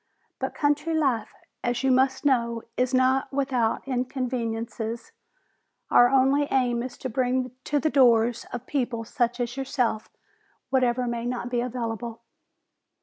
But country life, as you must know, is not without inconveniences. Our only aim is to bring to the doors of people such as yourself whatever may not be available."